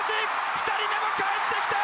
２人目もかえってきた！